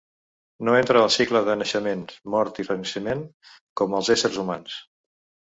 No entra al cicle de naixement, mort i renaixement, com els éssers humans.